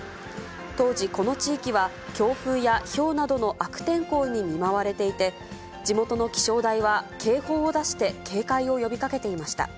当時、この地域は強風やひょうなどの悪天候に見舞われていて、地元の気象台は警報を出して警戒を呼びかけていました。